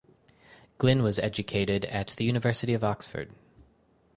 Glynne was educated at the University of Oxford.